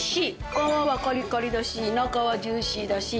皮はカリカリだし中はジューシーだし。